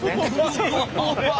すごい。